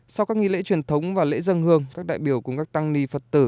sau các nghi lễ truyền thống và lễ dân hương các đại biểu cùng các tăng ni phật tử